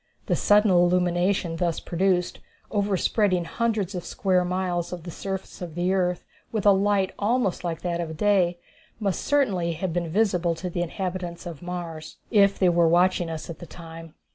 The sudden illumination thus produced, overspreading hundreds of square miles of the surface of the earth with a light almost like that of day, must certainly have been visible to the inhabitants of Mars, if they were watching us at the time.